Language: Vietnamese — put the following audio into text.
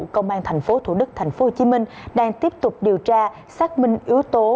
công an thành phố thủ đức tp hcm đang tiếp tục điều tra xác minh yếu tố